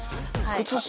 靴下